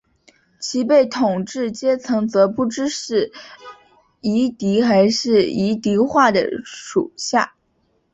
其被统治阶层则不知是夷狄还是夷狄化的诸夏。